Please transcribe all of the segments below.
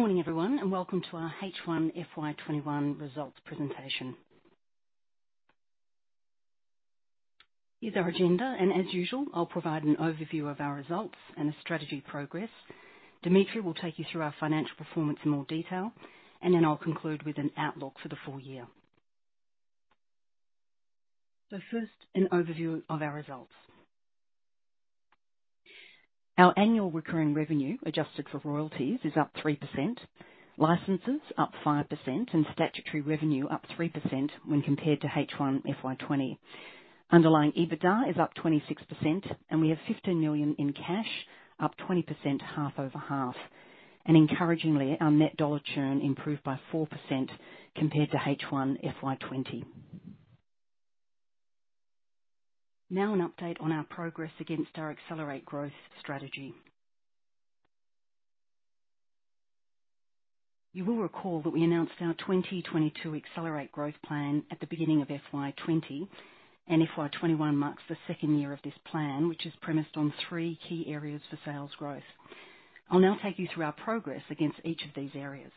Morning everyone, and welcome to our H1 FY 2021 results presentation. Here's our agenda, and as usual, I'll provide an overview of our results and the strategy progress. Dimitri will take you through our financial performance in more detail, and then I'll conclude with an outlook for the full year. First, an overview of our results. Our annual recurring revenue, adjusted for royalties, is up 3%, licenses up 5%, and statutory revenue up 3% when compared to H1 FY 2020 Underlying EBITDA is up 26%, and we have 15 million in cash, up 20% half-over-half. Encouragingly, our net dollar churn improved by 4% compared to H1 FY 2020. Now an update on our progress against our accelerate growth strategy. You will recall that we announced our 2022 accelerate growth plan at the beginning of FY 2020. FY 2021 marks the second year of this plan, which is premised on three key areas for sales growth. I'll now take you through our progress against each of these areas.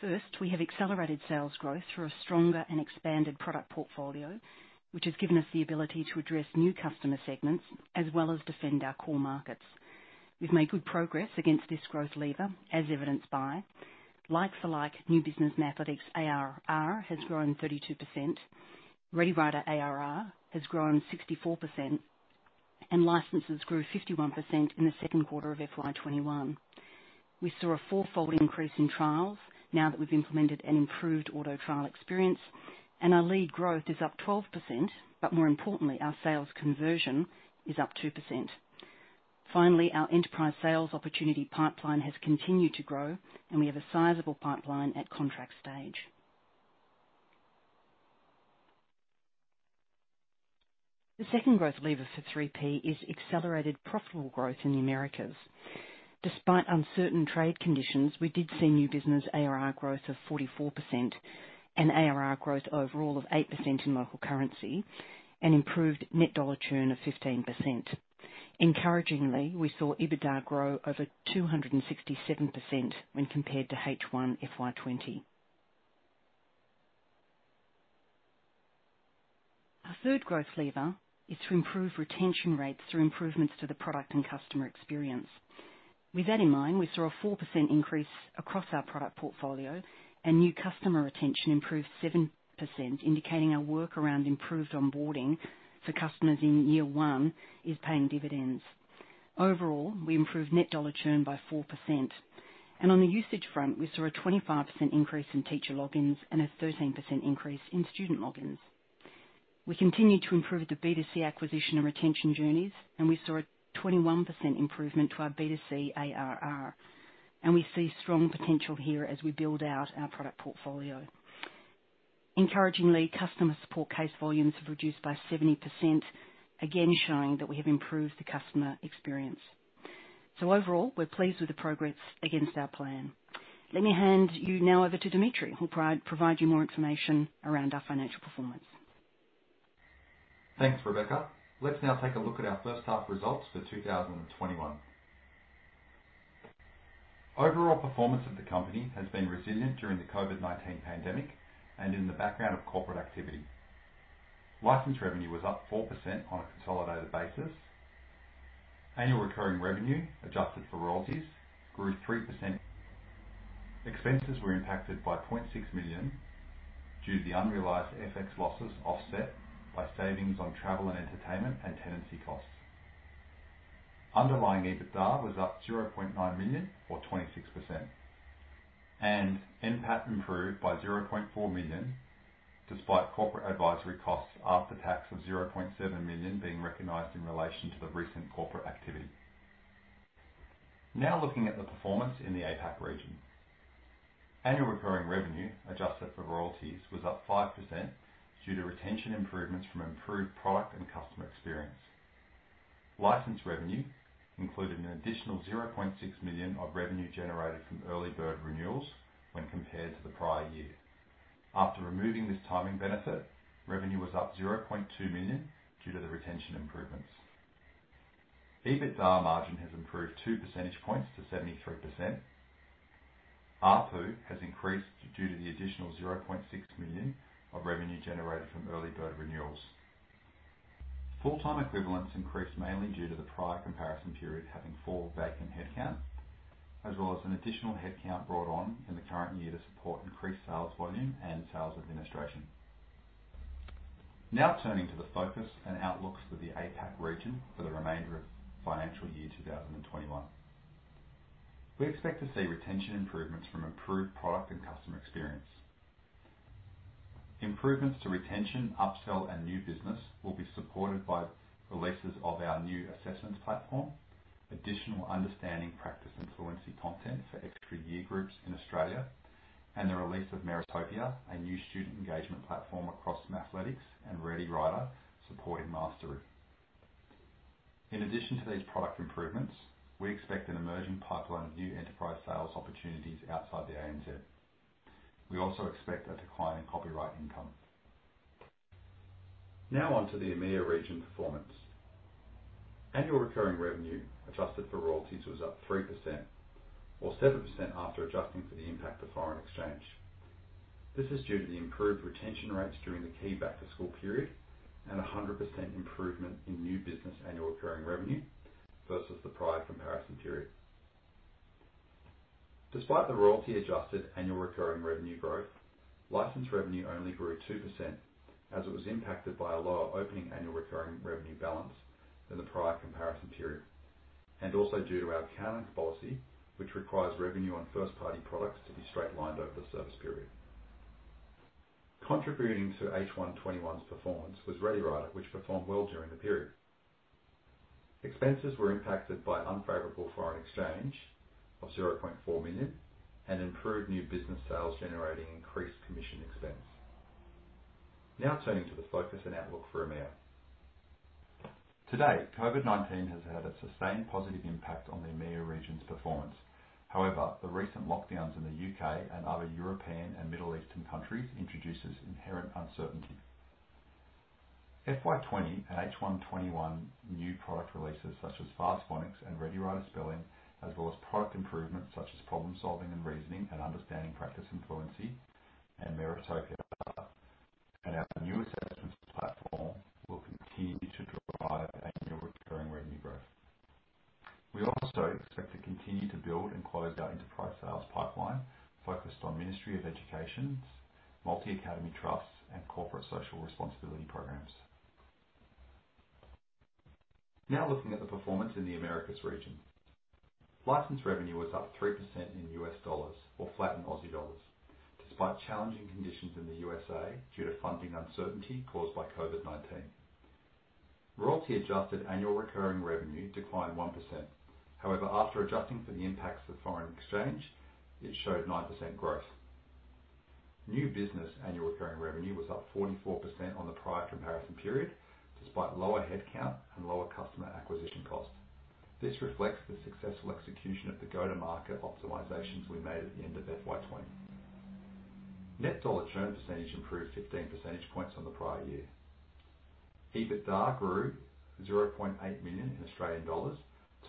First, we have accelerated sales growth through a stronger and expanded product portfolio, which has given us the ability to address new customer segments, as well as defend our core markets. We've made good progress against this growth lever, as evidenced by like-for-like new business Mathletics ARR has grown 32%, Readiwriter ARR has grown 64%, and licenses grew 51% in Q2 of FY 2021. We saw a four-fold increase in trials now that we've implemented an improved auto trial experience, and our lead growth is up 12%. More importantly, our sales conversion is up 2%. Finally, our enterprise sales opportunity pipeline has continued to grow, and we have a sizable pipeline at contract stage. The second growth lever for 3P Learning is accelerated profitable growth in the Americas. Despite uncertain trade conditions, we did see new business ARR growth of 44% and ARR growth overall of 8% in local currency and improved net dollar churn of 15%. Encouragingly, we saw EBITDA grow over 267% when compared to H1 FY 2020. Our third growth lever is to improve retention rates through improvements to the product and customer experience. With that in mind, we saw a 4% increase across our product portfolio and new customer retention improved 7%, indicating our work around improved onboarding for customers in year one is paying dividends. Overall, we improved net dollar churn by 4%. On the usage front, we saw a 25% increase in teacher logins and a 13% increase in student logins. We continued to improve the B2C acquisition and retention journeys. We saw a 21% improvement to our B2C ARR, and we see strong potential here as we build out our product portfolio. Encouragingly, customer support case volumes have reduced by 70%, again showing that we have improved the customer experience. Overall, we are pleased with the progress against our plan. Let me hand you now over to Dimitri, who will provide you more information around our financial performance. Thanks, Rebekah. Let's now take a look at our first half results for 2021. Overall performance of the company has been resilient during the COVID-19 pandemic and in the background of corporate activity. License revenue was up 4% on a consolidated basis. Annual recurring revenue, adjusted for royalties, grew 3%. Expenses were impacted by 0.6 million due to the unrealized FX losses offset by savings on travel and entertainment and tenancy costs. Underlying EBITDA was up 0.9 million or 26%. NPAT improved by 0.4 million, despite corporate advisory costs after tax of 0.7 million being recognized in relation to the recent corporate activity. Now looking at the performance in the APAC region. Annual recurring revenue, adjusted for royalties, was up 5% due to retention improvements from improved product and customer experience. License revenue included an additional 0.6 million of revenue generated from early bird renewals when compared to the prior year. After removing this timing benefit, revenue was up 0.2 million due to the retention improvements. EBITDA margin has improved two percentage points to 73%. ARPU has increased due to the additional 0.6 million of revenue generated from early bird renewals. Full-time equivalents increased mainly due to the prior comparison period having four vacant headcount, as well as an additional headcount brought on in the current year to support increased sales volume and sales administration. Now turning to the focus and outlooks for the APAC region for the remainder of FY 2021. We expect to see retention improvements from improved product and customer experience. Improvements to retention, upsell, and new business will be supported by releases of our new assessments platform, additional Understanding, Practice and Fluency content for extra year groups in Australia, and the release of Meritopia, a new student engagement platform across Mathletics and Readiwriter supporting mastery. In addition to these product improvements, we expect an emerging pipeline of new enterprise sales opportunities outside the ANZ. We also expect a decline in copyright income. Now on to the EMEA region performance. Annual recurring revenue adjusted for royalties was up 3%, or 7% after adjusting for the impact of foreign exchange. This is due to the improved retention rates during the key back-to-school period and 100% improvement in new business annual recurring revenue versus the prior comparison period. Despite the royalty-adjusted annual recurring revenue growth, license revenue only grew 2% as it was impacted by a lower opening annual recurring revenue balance than the prior comparison period, and also due to our accounting policy, which requires revenue on first-party products to be straight-lined over the service period. Contributing to H1 FY 2021's performance was Readiwriter, which performed well during the period. Expenses were impacted by unfavorable foreign exchange of 0.4 million and improved new business sales generating increased commission expense. Turning to the focus and outlook for EMEA. To date, COVID-19 has had a sustained positive impact on the EMEA region's performance. The recent lockdowns in the U.K. and other European and Middle Eastern countries introduces inherent uncertainty. FY 2020 and H1 FY 2021 new product releases such as Fast Phonics and Readiwriter Spelling, as well as product improvements such as Problem-Solving and Reasoning and Understanding, Practice and Fluency and Meritopia and our new assessments platform will continue to drive annual recurring revenue growth. We also expect to continue to build and close our enterprise sales pipeline focused on Ministry of Education, multi-academy trusts, and corporate social responsibility programs. Looking at the performance in the Americas region. License revenue was up 3% in USD or flat in AUD, despite challenging conditions in the U.S. due to funding uncertainty caused by COVID-19. Royalty-adjusted annual recurring revenue declined 1%. After adjusting for the impacts of foreign exchange, it showed 9% growth. New business annual recurring revenue was up 44% on the prior comparison period, despite lower headcount and lower customer acquisition costs. This reflects the successful execution of the go-to-market optimizations we made at the end of FY 2020. Net dollar churn percentage improved 15 percentage points on the prior year. EBITDA grew AUD 0.8 million to AUD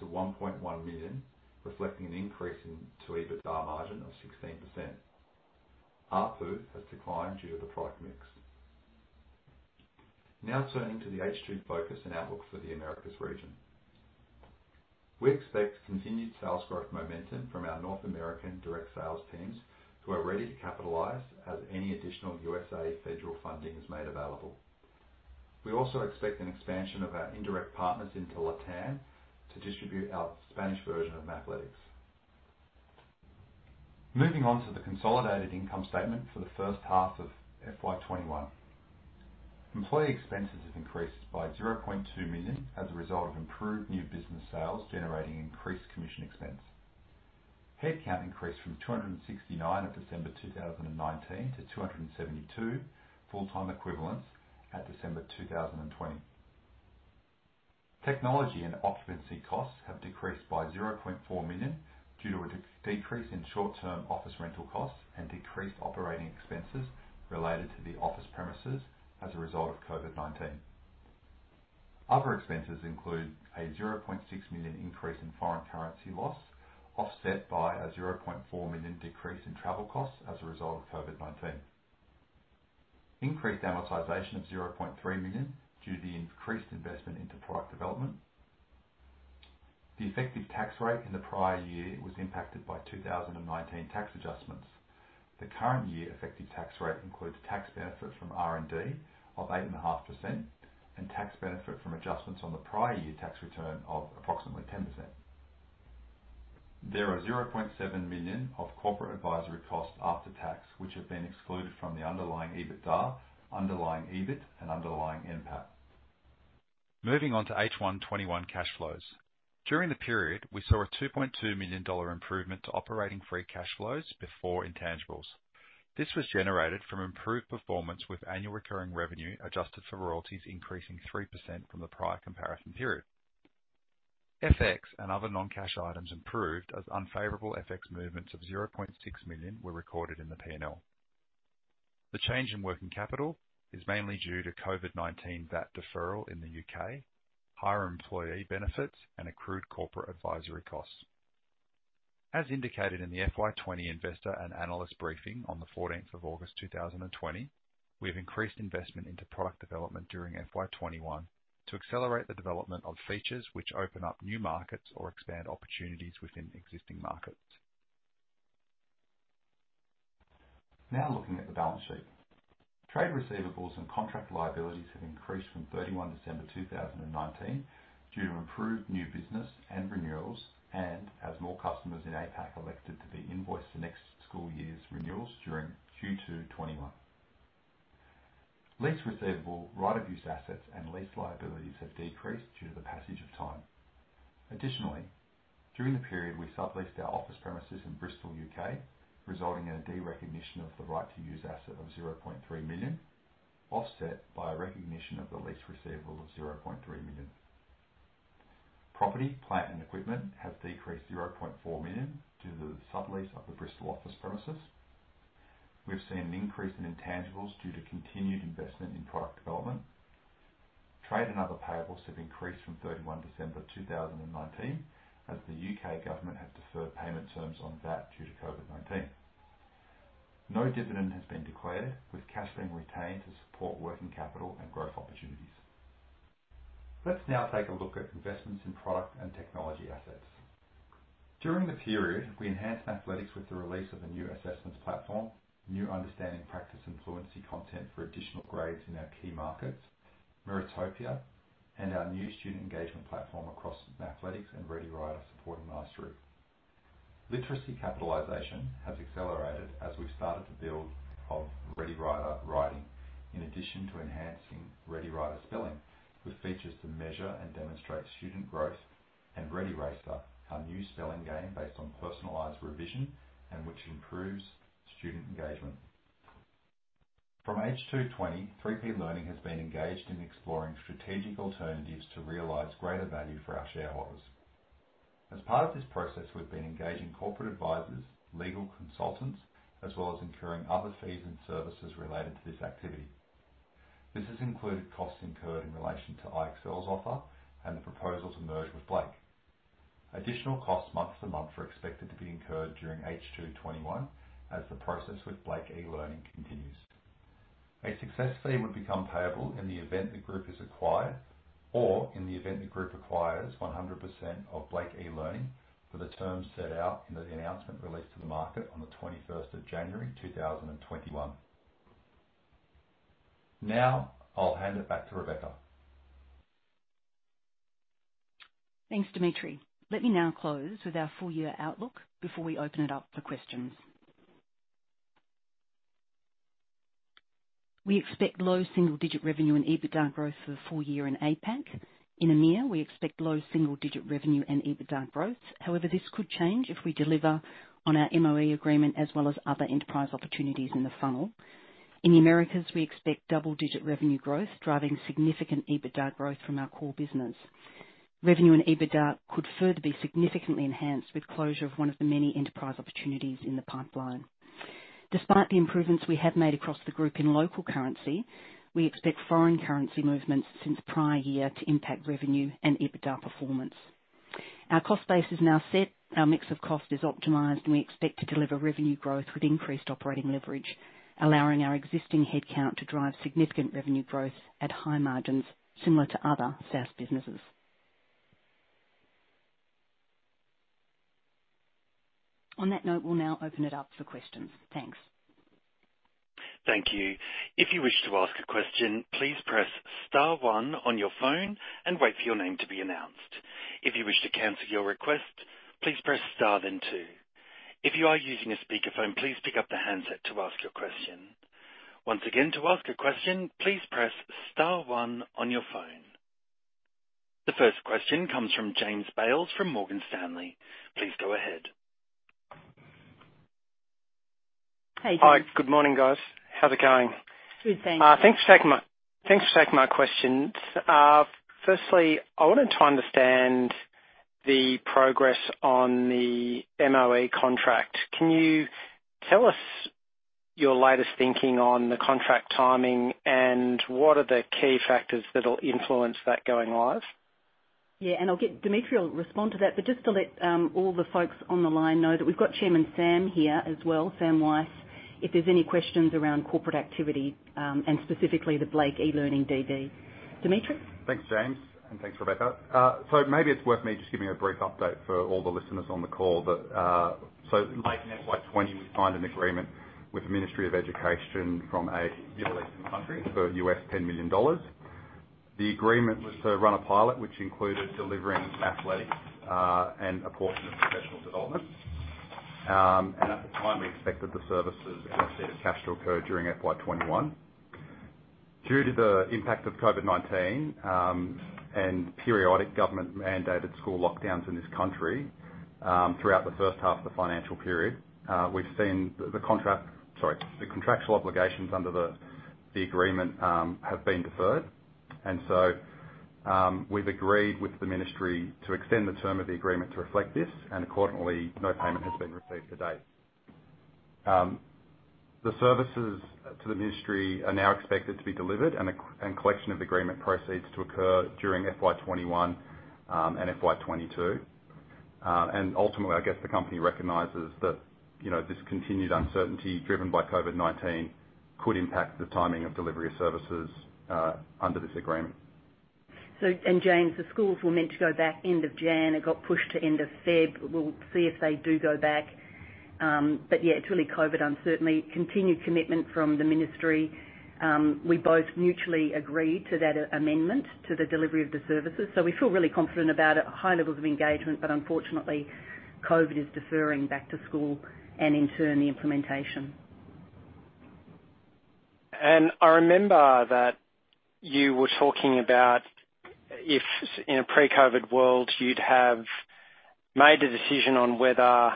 1.1 million, reflecting an increase to EBITDA margin of 16%. ARPU has declined due to the product mix. Turning to the H2 focus and outlook for the Americas region. We expect continued sales growth momentum from our North American direct sales teams who are ready to capitalize as any additional USA federal funding is made available. We also expect an expansion of our indirect partners into LATAM to distribute our Spanish version of Mathletics. Moving on to the consolidated income statement for the first half of FY 2021. Employee expenses have increased by 0.2 million as a result of improved new business sales generating increased commission expense. Headcount increased from 269 at December 2019 to 272 full-time equivalents at December 2020. Technology and occupancy costs have decreased by 0.4 million due to a decrease in short-term office rental costs and decreased operating expenses related to the office premises as a result of COVID-19. Other expenses include an 0.6 million increase in foreign currency loss, offset by an 0.4 million decrease in travel costs as a result of COVID-19. Increased amortization of 0.3 million due to the increased investment into product development. The effective tax rate in the prior year was impacted by 2019 tax adjustments. The current year effective tax rate includes tax benefit from R&D of 8.5% and tax benefit from adjustments on the prior year tax return of approximately 10%. There are 0.7 million of corporate advisory costs after tax, which have been excluded from the underlying EBITDA, underlying EBIT, and underlying NPAT. Moving on to H1 FY 2021 cash flows. During the period, we saw an 2.2 million dollar improvement to operating free cash flows before intangibles. This was generated from improved performance with annual recurring revenue adjusted for royalties increasing 3% from the prior comparison period. FX and other non-cash items improved as unfavorable FX movements of 0.6 million were recorded in the P&L. The change in working capital is mainly due to COVID-19 VAT deferral in the U.K., higher employee benefits, and accrued corporate advisory costs. As indicated in the FY 2020 investor and analyst briefing on the August 14th, 2020, we have increased investment into product development during FY 2021 to accelerate the development of features which open up new markets or expand opportunities within existing markets. Now looking at the balance sheet. Trade receivables and contract liabilities have increased from December 31st, 2019 due to improved new business and renewals and as more customers in APAC elected to be invoiced for next school year's renewals during Q2 2021. Lease receivable, right of use assets, and lease liabilities have decreased due to the passage of time. Additionally, during the period, we subleased our office premises in Bristol, U.K., resulting in a derecognition of the right to use asset of 0.3 million, offset by a recognition of the lease receivable of 0.3 million. Property, plant, and equipment have decreased 0.4 million due to the sublease of the Bristol office premises. We've seen an increase in intangibles due to continued investment in product development. Trade and other payables have increased from December 31st, 2019 as the U.K. government has deferred payment terms on that due to COVID-19. No dividend has been declared, with cash being retained to support working capital and growth opportunities. Let's now take a look at investments in product and technology assets. During the period, we enhanced Mathletics with the release of a new assessments platform, new Understanding, Practice and Fluency content for additional grades in our key markets, Meritopia, and our new student engagement platform across Mathletics and Readiwriter supporting mastery. Literacy capitalization has accelerated as we've started to build of Readiwriter Writing, in addition to enhancing Readiwriter Spelling with features to measure and demonstrate student growth and ReadiRacer, our new spelling game based on personalized revision and which improves student engagement. From H2 FY 2020, 3P Learning has been engaged in exploring strategic alternatives to realize greater value for our shareholders. As part of this process, we've been engaging corporate advisors, legal consultants, as well as incurring other fees and services related to this activity. This has included costs incurred in relation to IXL's offer and the proposal to merge with Blake. Additional costs month to month are expected to be incurred during H2 FY 2021 as the process with Blake eLearning continues. A success fee would become payable in the event the group is acquired or in the event the group acquires 100% of Blake eLearning for the terms set out in the announcement released to the market on January 21st, 2021. I'll hand it back to Rebekah. Thanks, Dimitri. Let me now close with our full-year outlook before we open it up for questions. We expect low single-digit revenue and EBITDA growth for the full year in APAC. In EMEA, we expect low single-digit revenue and EBITDA growth. This could change if we deliver on our MoE agreement as well as other enterprise opportunities in the funnel. In the Americas, we expect double-digit revenue growth, driving significant EBITDA growth from our core business. Revenue and EBITDA could further be significantly enhanced with closure of one of the many enterprise opportunities in the pipeline. Despite the improvements we have made across the group in local currency, we expect foreign currency movements since the prior year to impact revenue and EBITDA performance. Our cost base is now set, our mix of cost is optimized, and we expect to deliver revenue growth with increased operating leverage, allowing our existing headcount to drive significant revenue growth at high margins, similar to other SaaS businesses. On that note, we will now open it up for questions. Thanks. The first question comes from James Bales from Morgan Stanley. Please go ahead. Hey, James. Hi. Good morning, guys. How's it going? Good, thanks. Thanks for taking my questions. Firstly, I wanted to understand the progress on the MoE contract. Can you tell us your latest thinking on the contract timing, and what are the key factors that'll influence that going live? Dimitri will respond to that, just to let all the folks on the line know that we've got Chairman Sam here as well, Sam Weiss, if there's any questions around corporate activity, and specifically the Blake eLearning DD. Dimitri? Thanks, James, and thanks, Rebekah. Maybe it's worth me just giving a brief update for all the listeners on the call that late in FY 2020, we signed an agreement with the Ministry of Education from a Middle Eastern country for $10 million. The agreement was to run a pilot, which included delivering Mathletics and a portion of professional development. At the time, we expected the services and receipt of cash to occur during FY 2021. Due to the impact of COVID-19, and periodic government-mandated school lockdowns in this country, throughout the first half of the financial period, we've seen the contractual obligations under the agreement have been deferred. We've agreed with the Ministry to extend the term of the agreement to reflect this, and accordingly, no payment has been received to date. The services to the Ministry are now expected to be delivered and collection of agreement proceeds to occur during FY 2021 and FY 2022. Ultimately, I guess the company recognizes that this continued uncertainty driven by COVID-19 could impact the timing of delivery of services under this agreement. James, the schools were meant to go back end of January. It got pushed to end of February. We'll see if they do go back. Yes, it's really COVID uncertainty. Continued commitment from the Ministry. We both mutually agreed to that amendment to the delivery of the services. We feel really confident about it, high levels of engagement, but unfortunately, COVID is deferring back to school and in turn, the implementation. I remember that you were talking about if in a pre-COVID world, you'd have made the decision on whether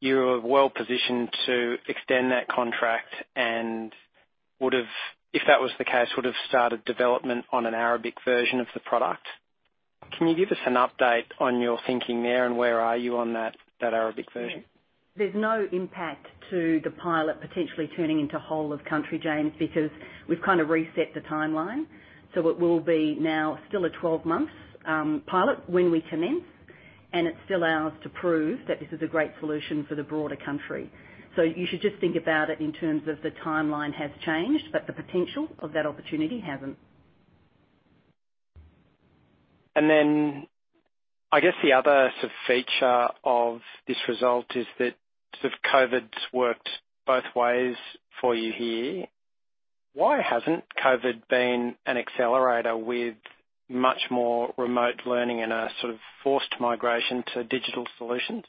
you're well-positioned to extend that contract, and if that was the case, would've started development on an Arabic version of the product. Can you give us an update on your thinking there, and where are you on that Arabic version? There's no impact to the pilot potentially turning into whole of country, James, because we've kind of reset the timeline. It will be now still a 12 months pilot when we commence, and it's still ours to prove that this is a great solution for the broader country. You should just think about it in terms of the timeline has changed, but the potential of that opportunity hasn't. I guess the other feature of this result is that sort of COVID's worked both ways for you here. Why hasn't COVID been an accelerator with much more remote learning and a sort of forced migration to digital solutions?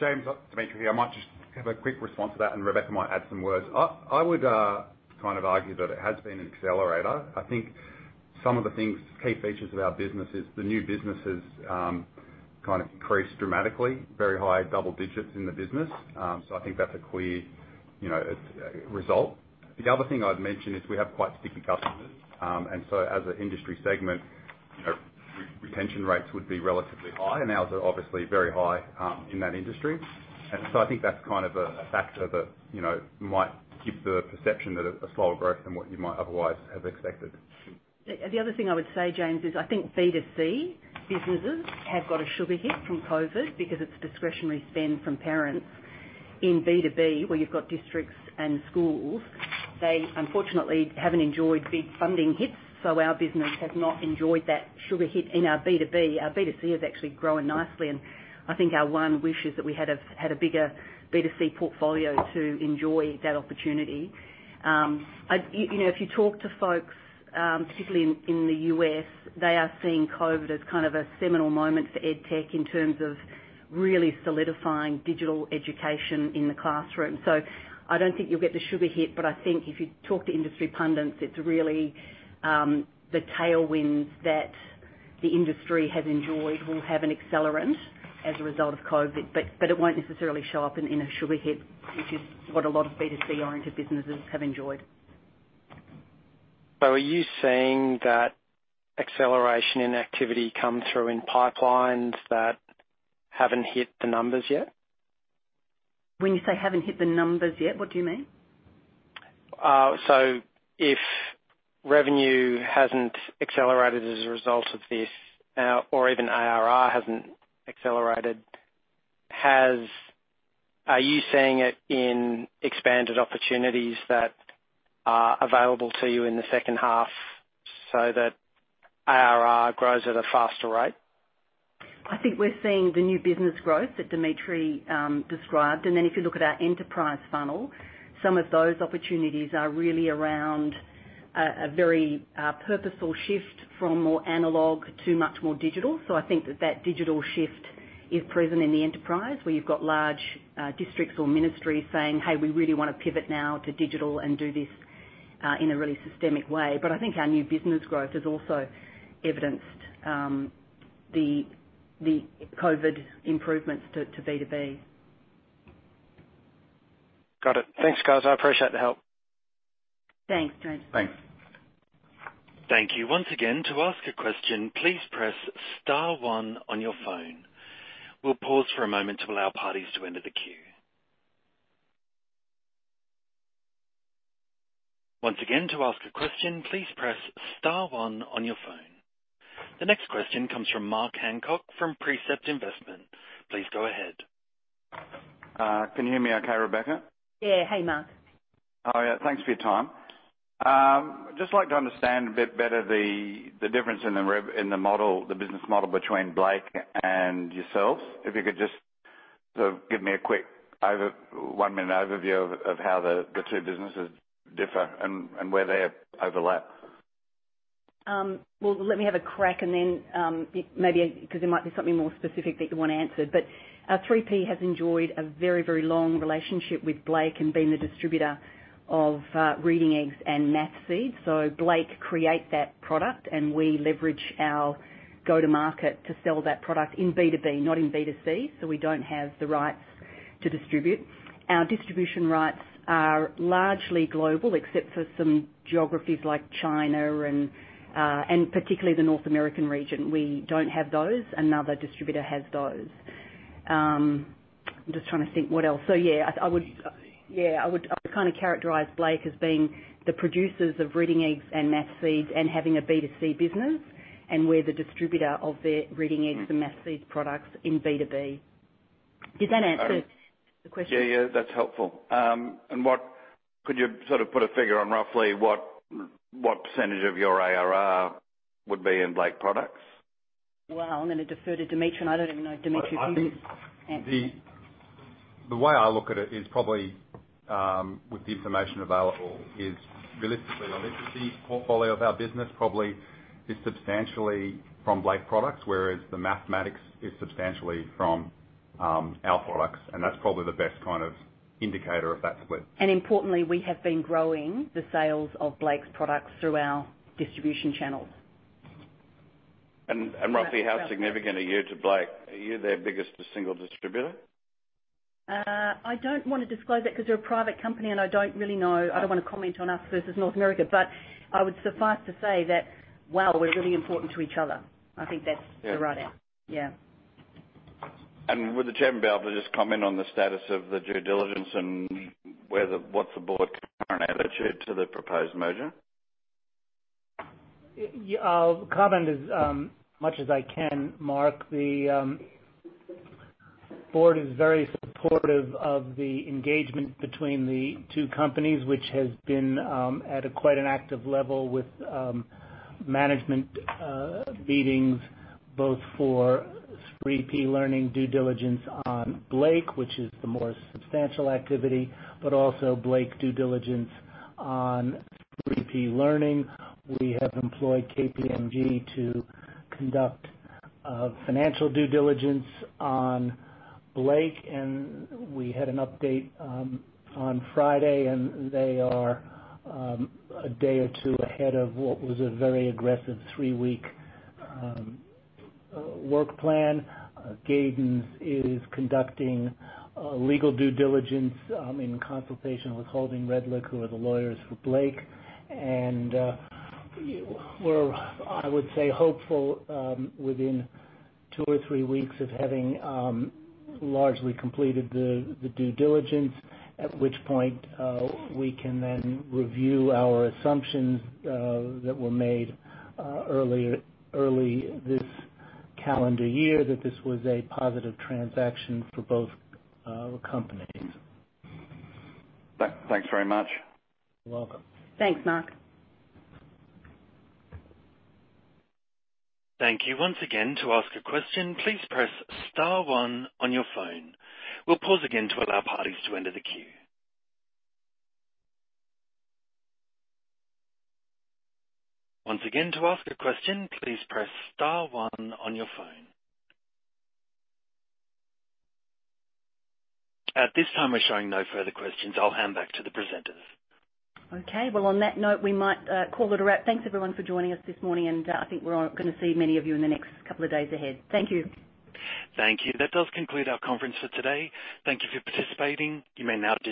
James, Dimitri here. I might just have a quick response to that, and Rebekah might add some words. I would argue that it has been an accelerator. I think some of the things, key features of our business is the new businesses kind of increased dramatically, very high double digits in the business. I think that's a clear result. The other thing I'd mention is we have quite sticky customers. As an industry segment, retention rates would be relatively high, and ours are obviously very high in that industry. I think that's kind of a factor that might give the perception of a slower growth than what you might otherwise have expected. The other thing I would say, James, is I think B2C businesses have got a sugar hit from COVID because it's discretionary spend from parents. In B2B, where you've got districts and schools, they unfortunately haven't enjoyed big funding hits. Our business has not enjoyed that sugar hit in our B2B. Our B2C has actually grown nicely, and I think our one wish is that we had a bigger B2C portfolio to enjoy that opportunity. If you talk to folks, particularly in the U.S., they are seeing COVID as kind of a seminal moment for EdTech in terms of really solidifying digital education in the classroom. I don't think you'll get the sugar hit, but I think if you talk to industry pundits, it's really the tailwinds that the industry has enjoyed will have an accelerant as a result of COVID-19, but it won't necessarily show up in a sugar hit, which is what a lot of B2C-oriented businesses have enjoyed. Are you seeing that acceleration in activity come through in pipelines that haven't hit the numbers yet? When you say haven't hit the numbers yet, what do you mean? If revenue hasn't accelerated as a result of this, or even ARR hasn't accelerated, are you seeing it in expanded opportunities that are available to you in the second half so that ARR grows at a faster rate? I think we're seeing the new business growth that Dimitri described. Then if you look at our enterprise funnel, some of those opportunities are really around a very purposeful shift from more analog to much more digital. I think that that digital shift is present in the enterprise, where you've got large districts or ministries saying, "Hey, we really want to pivot now to digital and do this in a really systemic way." I think our new business growth has also evidenced the COVID-19 improvements to B2B. Got it. Thanks, guys. I appreciate the help. Thanks, James. Thanks. Thank you. The next question comes from Mark Hancock from Precept Investment. Please go ahead. Can you hear me okay, Rebekah? Yes. Hey, Mark. Yes. Thanks for your time. Just like to understand a bit better the difference in the business model between Blake and yourselves. If you could just sort of give me a quick one-minute overview of how the two businesses differ and where they overlap. Let me have a crack, maybe because there might be something more specific that you want answered. 3P Learning has enjoyed a very, very long relationship with Blake in being the distributor of Reading Eggs and Mathletics. Blake create that product, and we leverage our go-to market to sell that product in B2B, not in B2C, so we don't have the rights to distribute. Our distribution rights are largely global, except for some geographies like China and particularly the North American region. We don't have those. Another distributor has those. I'm just trying to think what else. I would kind of characterize Blake as being the producers of Reading Eggs and Mathletics and having a B2C business, and we're the distributor of their Reading Eggs and Mathletics products in B2B. Does that answer the question? Yes. That's helpful. Could you sort of put a figure on roughly what percentage of your ARR would be in Blake products? Wow. I'm going to defer to Dimitri on that. I don't even know, Dimitri, if you can answer that. The way I look at it is probably, with the information available is realistically, the literacy portfolio of our business probably is substantially from Blake products, whereas the mathematics is substantially from our products, and that's probably the best kind of indicator of that split. Importantly, we have been growing the sales of Blake's products through our distribution channels. How significant are you to Blake? Are you their biggest single distributor? I don't want to disclose that because they're a private company, and I don't really know. I don't want to comment on us versus North America. I would suffice to say that, wow, we're really important to each other. I think that's the run out. Would the Chairman be able to just comment on the status of the due diligence and what's the board's current attitude to the proposed merger? I'll comment as much as I can, Mark. The board is very supportive of the engagement between the two companies, which has been at quite an active level with management meetings, both for 3P Learning due diligence on Blake, which is the more substantial activity, but also Blake due diligence on 3P Learning. We have employed KPMG to conduct financial due diligence on Blake, and we had an update on Friday, and they are a day or two ahead of what was a very aggressive three-week work plan. Gadens is conducting legal due diligence in consultation with Holding Redlich, who are the lawyers for Blake, and we're, I would say, hopeful within two or three weeks of having largely completed the due diligence, at which point we can then review our assumptions that were made early this calendar year that this was a positive transaction for both companies. Thanks very much. You're welcome. Thanks, Mark. Thank you once again. At this time, we're showing no further questions. I'll hand back to the presenters. Okay. Well, on that note, we might call it a wrap. Thanks, everyone, for joining us this morning, and I think we're going to see many of you in the next couple of days ahead. Thank you. Thank you. That does conclude our conference for today. Thank you for participating. You may now disconnect.